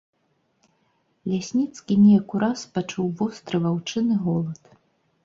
Лясніцкі неяк ураз пачуў востры ваўчыны голад.